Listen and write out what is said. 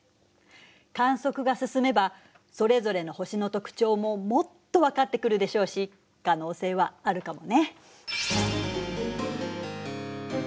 観測が進めばそれぞれの星の特徴ももっと分かってくるでしょうし可能性はあるかもね。